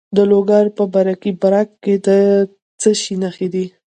د لوګر په برکي برک کې د څه شي نښې دي؟